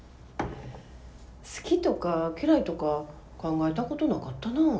好きとか嫌いとか考えたことなかったなぁ。